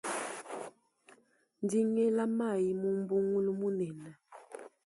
Ndi ngela mayi mu mbungulu munene.